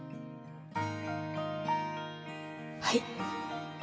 はい